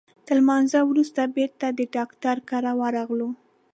تر لمانځه وروسته بیرته د ډاکټر کره ورغلو.